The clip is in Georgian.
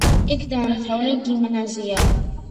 იქ დაამთავრა გიმნაზია.